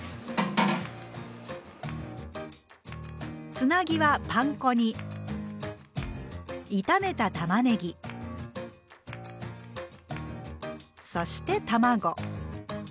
つなぎはパン粉に炒めたたまねぎそして卵。